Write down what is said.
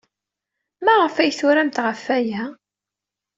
Maɣef ay turamt ɣef waya?